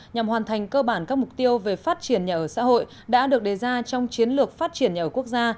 nhằm hoàn thành cơ bản các mục tiêu về phát triển nhà ở xã hội đã được đề ra trong chiến lược phát triển nhà ở quốc gia